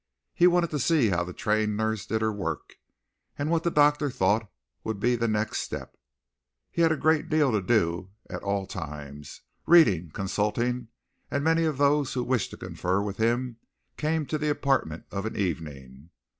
He wanted to see how the trained nurse did her work and what the doctor thought would be the next step. He had a great deal to do at all times, reading, consulting, and many of those who wished to confer with him came to the apartment of an evening.